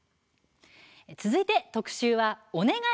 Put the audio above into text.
続いて特集は「おねがい！